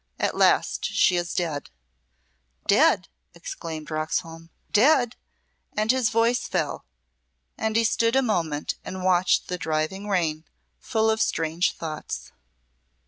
At last she is dead." "Dead!" Roxholm exclaimed. "Dead!" and his voice fell, and he stood a moment and watched the driving rain, full of strange thoughts.